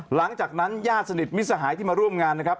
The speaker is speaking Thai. หลังจากนั้นญาติสนิทมิสหายที่มาร่วมงานนะครับ